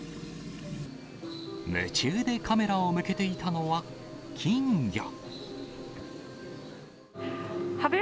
夢中でカメラを向けていたのは、金魚。